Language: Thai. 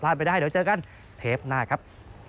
ไปได้เดี๋ยวเจอกันเทปหน้าครับ